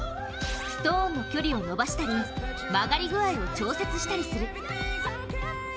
ストーンの距離を延ばしたり曲がり具合を調節したりする。